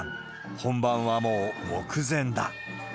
本番はもう目前だ。